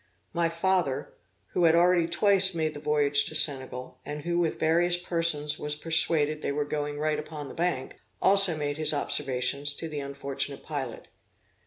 My father, who had already twice made the voyage to Senegal, and who with various persons was persuaded they were going right upon the bank, also made his observations to the unfortunate pilot.